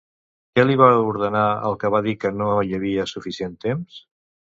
Què li va ordenar el que va dir que no hi havia suficient temps?